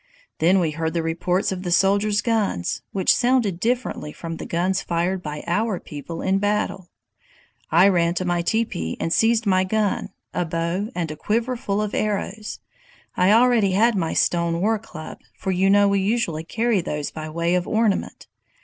Then we heard the reports of the soldiers' guns, which sounded differently from the guns fired by our people in battle. "I ran to my teepee and seized my gun, a bow, and a quiver full of arrows. I already had my stone war club, for you know we usually carry those by way of ornament.